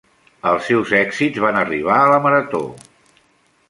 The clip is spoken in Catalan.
Els seus èxits van arribar a la marató.